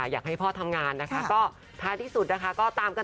อยากให้พ่อทำงานนะคะถ้าที่สุดนะคะ